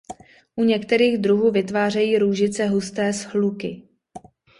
U některých druhů vytvářejí růžice husté shluky.